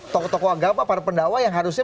tokoh tokoh agama para pendakwah yang harusnya